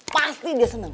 pasti dia seneng